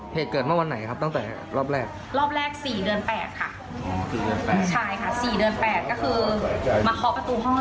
แล้วเขาก็บอกว่าเขาก็ไปเอาเบอร์โทรจากหน้าหอของเจ้าของหอ